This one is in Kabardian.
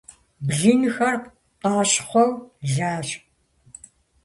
Блынхэр къащхъуэу лащ.